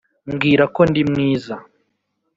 mbwira ko ndi mwiza,